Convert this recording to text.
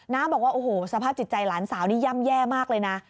บอกว่าโอ้โหสภาพจิตใจหลานสาวนี่ย่ำแย่มากเลยนะ